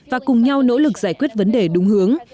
và cùng nhau nỗ lực giải quyết vấn đề đúng hướng